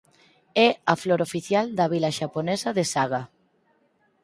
É a flor oficial da vila xaponesa de Saga.